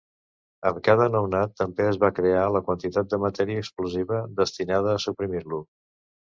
Amb cada nounat, també es va crear la quantitat de matèria explosiva destinada a suprimir-lo.